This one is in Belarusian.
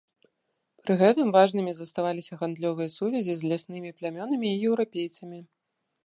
Пры гэтым важнымі заставаліся гандлёвыя сувязі з ляснымі плямёнамі і еўрапейцамі.